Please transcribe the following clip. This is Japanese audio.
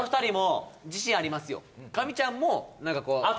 カミちゃんも何かこう熱